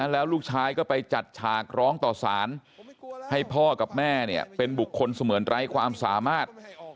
แล้วลูกชายก็ไปจัดฉากร้องต่อสารให้พ่อกับแม่เนี่ยเป็นบุคคลเสมือนไร้ความสามารถ